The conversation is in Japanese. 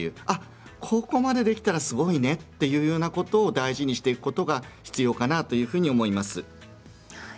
ここまでできたらすごいねというようなことを大事にしていくことが必要かなと思います。